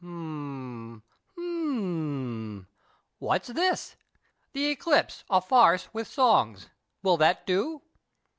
H'm, h'm, what's this ? The Eclipse, a farce with songs — will that do